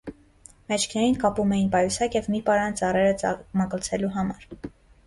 Մեջքներին կապում էին պայուսակ և մի պարան ծառերը մագլցելու համար։